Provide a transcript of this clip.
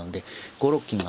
５六金は。